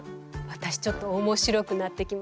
私ちょっと面白くなってきました。